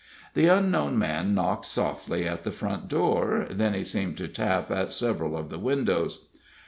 The unknown man knocked softly at the front door, then he seemed to tap at several of the windows.